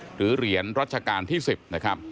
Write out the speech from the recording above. เหรียญรัชกาลที่๑๐นะครับ